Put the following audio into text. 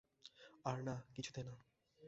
আর না, কিছুতে না।